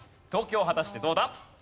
果たしてどうだ？